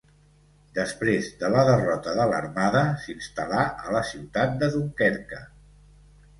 Després de la derrota de l'armada s'instal·là a la ciutat de Dunkerque.